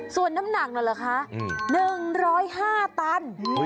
ส่วนน้ำหนักนั่นเหรอคะ๑๐๕ตัน